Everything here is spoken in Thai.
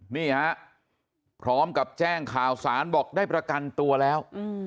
นี่ฮะพร้อมกับแจ้งข่าวสารบอกได้ประกันตัวแล้ว